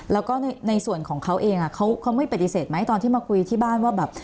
แล้วก็ในส่วนของเขาเองเขาไม่ปฏิเสธไหมตอนที่มาคุยที่บ้านว่าแบบ